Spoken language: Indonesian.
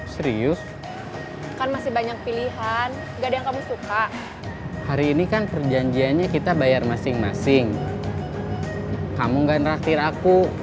striving setan masih banyak pilihan nggak ada yang kamu suka krijikkan perjanjiannya kita bayar masing masing kamu nggak ngeraretir aku